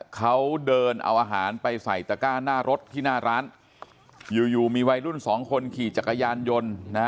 เขาเดินเอาอาหารไปใส่ตะก้าหน้ารถที่หน้าร้านอยู่อยู่มีวัยรุ่นสองคนขี่จักรยานยนต์นะ